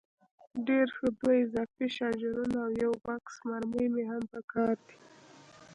ډېر ښه، دوه اضافي شاجورونه او یو بکس مرمۍ مې هم په کار دي.